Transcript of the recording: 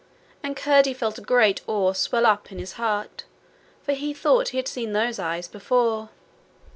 And Curdie felt a great awe swell up in his heart, for he thought he had seen those eyes before.